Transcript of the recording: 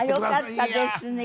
よかったですね。